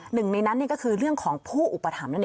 หนึ่งในนั้นก็คือเรื่องของผู้อุปถัมภนั่นเอง